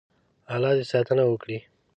الله دې ساتنه وکړي.